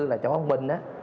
là chủ công minh